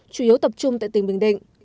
chủ yếu tập trung tại tỉnh bình định